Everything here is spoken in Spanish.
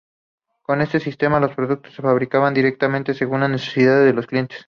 Con este sistema, los productos se fabrican directamente según las necesidades de los clientes.